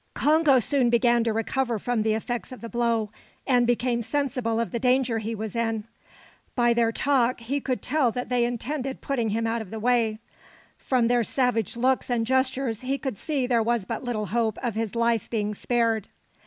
Congo soon began to recover from the effects of the blow, and became sensible of the danger he was in. By their talk, he could tell that they intended putting him out of the way. From their savage looks and gestures he could see there was but little hope of his life being spared.